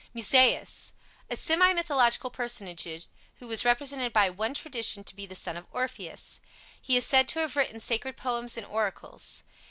MUSAEUS A semi mythological personage who was represented by one tradition to be the son of Orpheus. He is said to have written sacred poems and oracles.